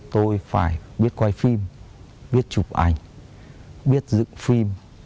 tôi phải biết quay phim biết chụp ảnh biết dựng phim